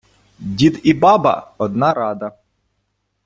дід і баба – одна рада